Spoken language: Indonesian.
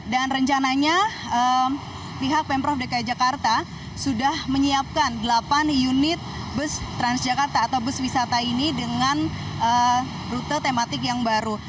dan rencananya pihak pemprov dki jakarta sudah menyiapkan delapan unit bus transjakarta atau bus wisata ini dengan rute tematik yang baru